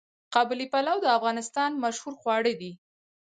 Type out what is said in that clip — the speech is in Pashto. قابلي پلو د افغانستان مشهور خواړه دي.